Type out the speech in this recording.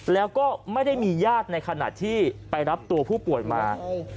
แล้วก็ไม่ได้มีญาติในขณะที่ไปรับตัวผู้ป่วยมา